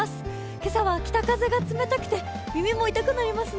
今朝は北風が冷たくて耳も痛くなりますね。